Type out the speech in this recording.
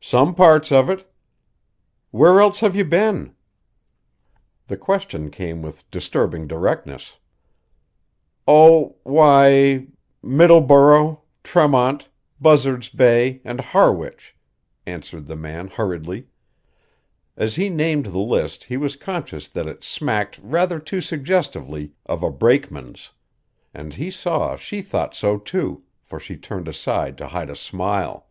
"Some parts of it." "Where else have you been?" The question came with disturbing directness. "Oh why Middleboro, Tremont, Buzzard's Bay and Harwich," answered the man hurriedly. As he named the list he was conscious that it smacked rather too suggestively of a brakeman's, and he saw she thought so too, for she turned aside to hide a smile.